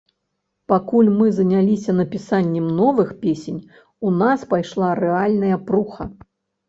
Пакуль мы заняліся напісаннем новых песень, у нас пайшла рэальная пруха.